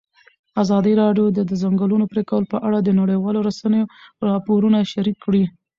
ازادي راډیو د د ځنګلونو پرېکول په اړه د نړیوالو رسنیو راپورونه شریک کړي.